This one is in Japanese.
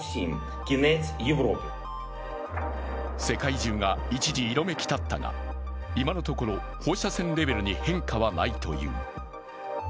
世界中が一時、色めき立ったが、今のところ、放射線レベルに変化はないという。